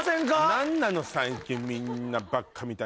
何なの最近みんな。